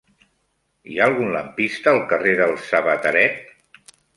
Hi ha algun lampista al carrer del Sabateret?